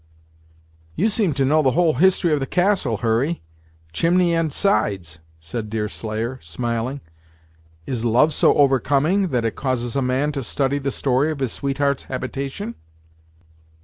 "You seem to know the whole history of the castle, Hurry, chimney and sides," said Deerslayer, smiling; "is love so overcoming that it causes a man to study the story of his sweetheart's habitation?"